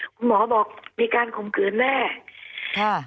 คุณหมอบอกมีการข่มขืนแน่ค่ะ